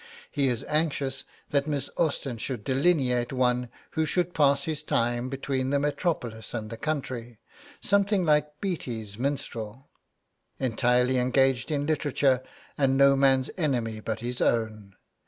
He is anxious that Miss Austen should delineate one who 'should pass his time between the metropolis and the country, something like Beattie's minstrel, entirely engaged in literature, and no man's enemy but his own.'